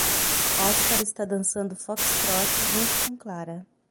Oscar está dançando foxtrot junto com Clara.